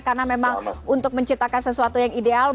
karena memang untuk menciptakan sesuatu yang ideal